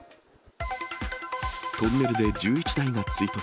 トンネルで１１台が追突。